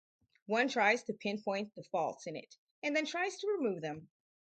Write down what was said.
One tries to pin-point the faults in it and then tries to remove them.